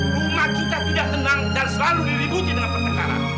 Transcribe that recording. rumah kita tidak tenang dan selalu diributin dengan pertengkaran